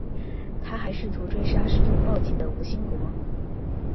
他还试图追杀试图报警的吴新国。